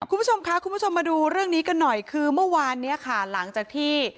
คุณผู้ชมค่ะคุณผู้ชมมาดูเรื่องนี้กันหน่อยคือเมื่อวานเนี้ยค่ะหลังจากที่